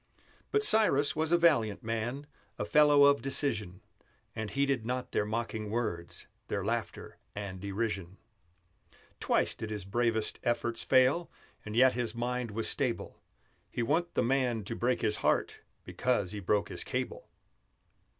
But Cyrus was a valiant man, A fellow of decision; And heeded not their mocking words, Their laughter and derision. Twice did his bravest efforts fail, And yet his mind was stable; He wa'n't the man to break his heart Because he broke his cable.